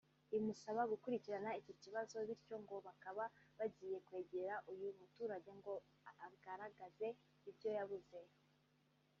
imusaba gukurikirana iki kibazo bityo ngo bakaba bagiye kwegera uyu muturage ngo agaragaze ibyo yabuze